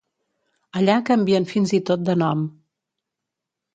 Allà canvien fins i tot de nom.